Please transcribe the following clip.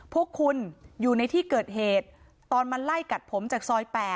พวกคุณอยู่ในที่เกิดเหตุตอนมาไล่กัดผมจากซอย๘